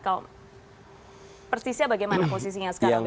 kau persisnya bagaimana posisinya sekarang bpn